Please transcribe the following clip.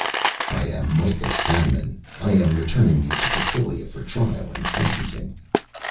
"I am Mikah Samon. I am returning you to Cassylia for trial and sentencing."